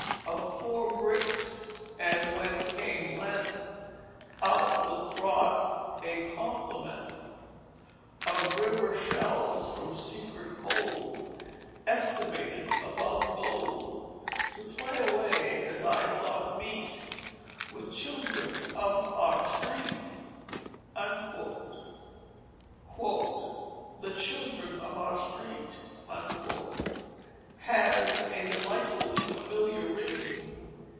Of four bricks; and when came Lent Out was brought a complement Of river shells from secret hold, Estimated above gold, To play away as I thought meet With the children of our street." "The children of our street" has a delightfully familiar ring.